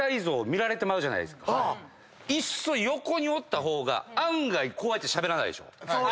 いっそ横におった方が案外こうやってしゃべらないでしょ。